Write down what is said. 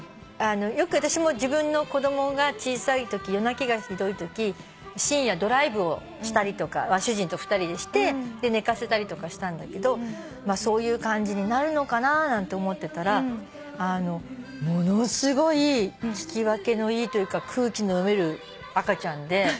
よく私も自分の子供が小さいとき夜泣きがひどいとき深夜ドライブをしたりとか主人と２人でして寝かせたりとかしたんだけどそういう感じになるのかななんて思ってたらものすごい聞き分けのいいというか空気の読める赤ちゃんで。